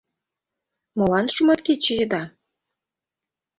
Молан шуматкече еда?